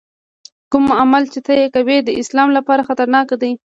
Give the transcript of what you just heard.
کوم عمل چې ته یې کوې د اسلام لپاره خطرناک دی.